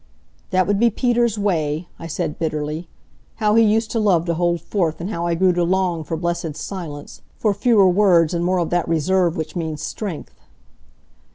"That would be Peter's way," I said, bitterly. "How he used to love to hold forth, and how I grew to long for blessed silence for fewer words, and more of that reserve which means strength!"